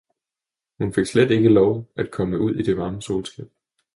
Hun fik slet ikke lov at komme ud i det varme solskin.